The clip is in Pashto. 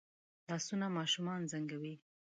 لاسونه ماشومان زنګوي